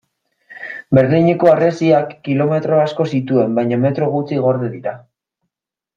Berlineko harresiak kilometro asko zituen baina metro gutxi gorde dira.